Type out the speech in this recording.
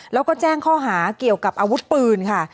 แล้วก็แจ้งข้อหาเกี่ยวกับอาวุธปืนค่ะ